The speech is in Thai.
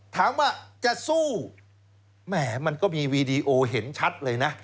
ถามว่าจะสู้แหมมันก็มีวีดีโอเห็นชัดเลยนะ